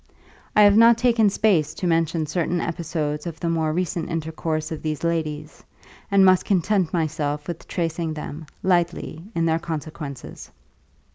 I have not taken space to mention certain episodes of the more recent intercourse of these ladies, and must content myself with tracing them, lightly, in their consequences.